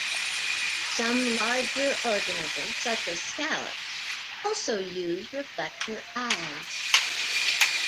Some larger organisms, such as scallops, also use reflector eyes.